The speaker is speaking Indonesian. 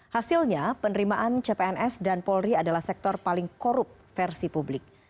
hasilnya penerimaan cpns dan polri adalah sektor paling korup versi publik